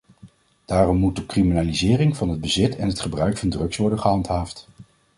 Daarom moet de criminalisering van het bezit en het gebruik van drugs worden gehandhaafd.